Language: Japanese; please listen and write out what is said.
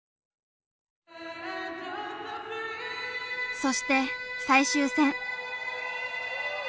そして最終戦。